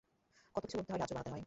কত কিছু করতে হয়, রাজ্য বানাতে হয়।